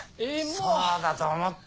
そうだと思った。